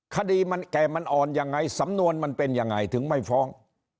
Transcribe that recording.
คดีมันแก่มันอ่อนยังไงสำนวนมันเป็นยังไงถึงไม่ฟ้อง